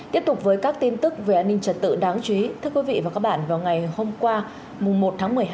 tiếp tục với các tin tức về an ninh trật tự đáng chú ý thưa quý vị và các bạn vào ngày hôm qua một tháng một mươi hai